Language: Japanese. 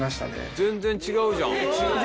全然違うじゃん。